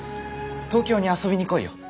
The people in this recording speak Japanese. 東京に遊びに来いよ。